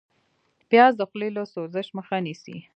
پیاز د خولې له سوزش مخه نیسي